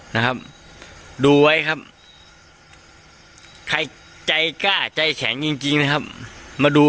นะครับดูไว้ครับใครใจกล้าใจแข็งจริงจริงนะครับมาดู